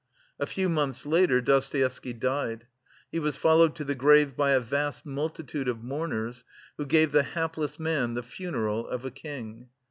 A few months later Dostoevsky died. He was followed to the grave by a vast multitude of mourners, who "gave the hapless man the funeral of a king."